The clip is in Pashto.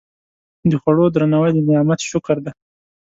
د خوړو درناوی د نعمت شکر دی.